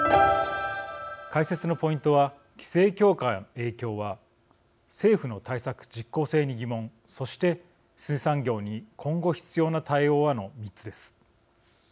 解説のポイントは「規制強化の影響は」「政府の対策実効性に疑問」そして「水産業に今後必要な対応は」の３つです。